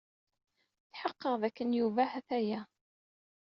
Tḥeqqeɣ dakken Yuba ha-t-aya.